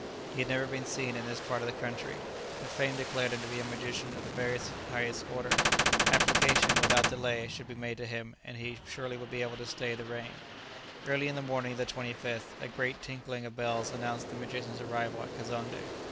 He had never been seen in this part of the country, but fame declared him to be a magician of the very highest order. Application, without delay, should be made to him; he surely would be able to stay the rain. Early in the morning of the 25th a great tinkling of bells announced the magician's arrival at Kazonndé.